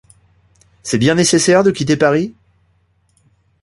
C'est bien nécessaire de quitter Paris ?